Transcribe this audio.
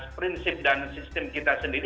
prinsip dan sistem kita sendiri